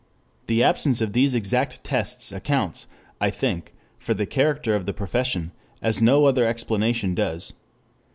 The absence of these exact tests accounts, I think, for the character of the profession, as no other explanation does.